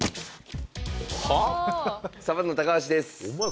サバンナ・高橋です。